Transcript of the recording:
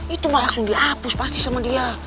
itu mau langsung dihapus pasti sama dia